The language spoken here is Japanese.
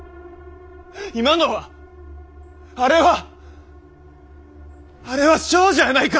今のはあれはあれは少女やないか！